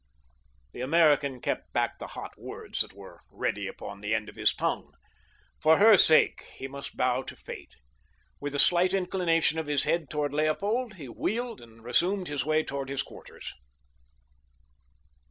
The American kept back the hot words that were ready upon the end of his tongue. For her sake he must bow to fate. With a slight inclination of his head toward Leopold he wheeled and resumed his way toward his quarters.